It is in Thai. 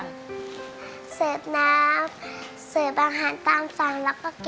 พี่โภค